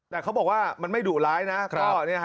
แต่เขาบอกว่ามันไม่ดุร้ายนะ